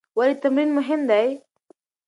ولې تمرین مهم دی؟